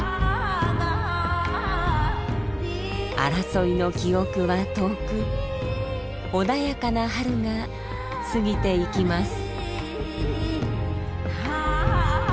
争いの記憶は遠く穏やかな春が過ぎていきます。